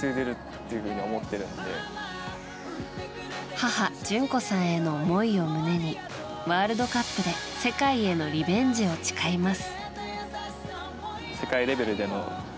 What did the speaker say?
母・淳子さんへの思いを胸にワールドカップで世界へのリベンジを誓います。